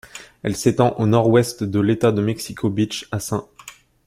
Elle s’étend au nord-ouest de l'État de Mexico Beach à St.